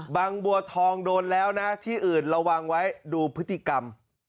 บัวทองโดนแล้วนะที่อื่นระวังไว้ดูพฤติกรรม